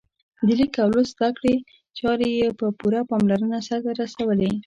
د لیک او لوست زده کړې چارې یې په پوره پاملرنه سرته رسولې.